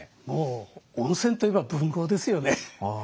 もう温泉といえば文豪ですよね。